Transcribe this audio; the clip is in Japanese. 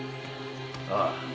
「ああ」